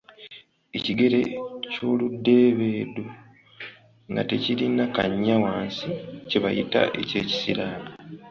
Ekigere eky'oludeebeedo nga tekirina kannya wansi kye bayita eky'ekisiraani.